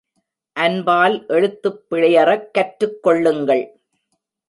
அன்பால் எழுத்துப் பிழையறக் கற்றுக் கொள்ளுங்கள்.